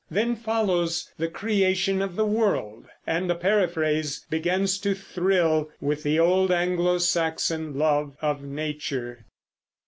Then follows the creation of the world, and the Paraphrase begins to thrill with the old Anglo Saxon love of nature.